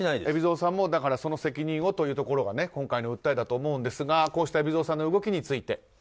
海老蔵さんもその責任をというところが今回の訴えだと思うんですがこうした海老蔵さんの動きについて。